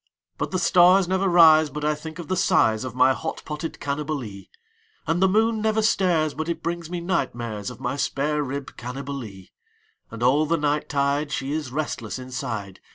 But the stars never rise but I think of the size Of my hot potted Cannibalee, And the moon never stares but it brings me night mares Of my spare rib Cannibalee; And all the night tide she is restless inside.